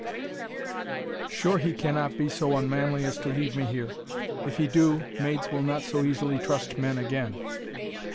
Sure he cannot Be so unmanly as to leave me here; If he do, maids will not so easily Trust men again.